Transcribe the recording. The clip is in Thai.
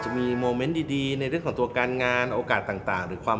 โมเมนต์ดีในเรื่องของตัวการงานโอกาสต่างหรือความ